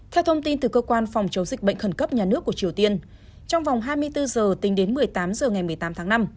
theo thông tin từ cơ quan phòng chống dịch bệnh khẩn cấp nhà nước của triều tiên trong vòng hai mươi bốn giờ tính đến một mươi tám h ngày một mươi tám tháng năm